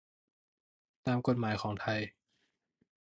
ตามกฎหมายของไทย